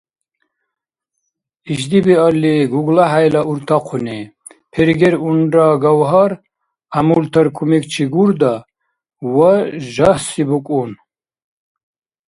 Ишди биалли ГуглахӀяйла уртахъуни: пергер унра Гавгьар, гӀямултар кумекчи Гурда, ва жагьси букӀун.